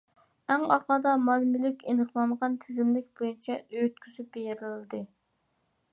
ئەڭ ئاخىرىدا مال-مۈلۈكلەر ئېنىقلانغان تىزىملىك بويىچە ئۆتكۈزۈپ بېرىلدى.